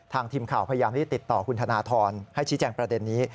ทีมข่าวพยายามที่ติดต่อคุณธนทรให้ชี้แจงประเด็นนี้